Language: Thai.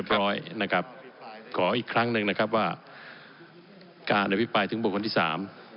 ผมจะให้ท่านสรุปเลยนะครับ